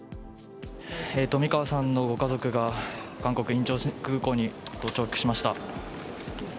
冨川さんのご家族が韓国・インチョン空港に到着しました。